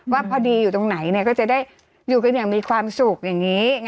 ว่าพอดีอยู่ตรงไหนก็จะได้อยู่กันอย่างมีความสุขอย่างนี้